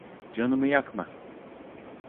Canımı yakma.